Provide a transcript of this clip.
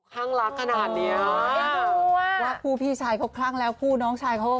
ครั้งละขนาดเนี้ยยังรู้ว่าว่าคู่พี่ชายเขาครั้งแล้วคู่น้องชายเขา